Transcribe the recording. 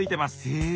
へえ。